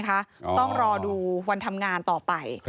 ต้องรอดูวันทำงานต่อไป